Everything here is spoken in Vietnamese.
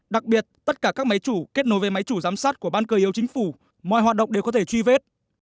đặc biệt tất cả các máy chủ kết nối với máy chủ giám sát của ban cơ yếu chính phủ mọi hoạt động đều có thể truy vết